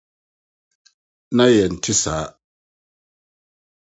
Na yɛnte saa.